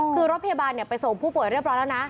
คือรถพยาบาลไปส่งผู้ป่วยเรียบร้อยแล้วนะ